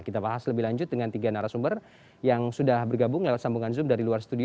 kita bahas lebih lanjut dengan tiga narasumber yang sudah bergabung lewat sambungan zoom dari luar studio